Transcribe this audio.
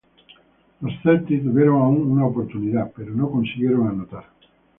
Los Celtics tuvieron aún una oportunidad, pero no consiguieron anotar.